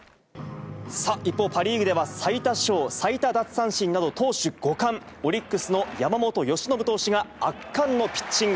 さあ、一方、パ・リーグでは最多勝、最多奪三振など投手５冠、オリックスの山本由伸投手が圧巻のピッチング。